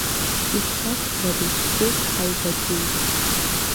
Ишԥасҳәари, ҿыц ҳаибагеит.